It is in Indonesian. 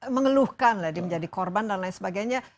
mengeluhkan lah dia menjadi korban dan lain sebagainya